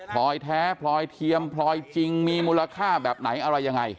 พลอยแท้พลอยเทียมพลอยจริงมีมูลค่าแบบไหนอะไรยังไง